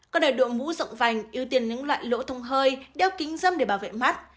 còn ở độ mũ rộng vành ưu tiên những loại lỗ thông hơi đeo kính dâm để bảo vệ mắt